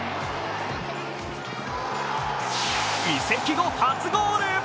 移籍後初ゴール。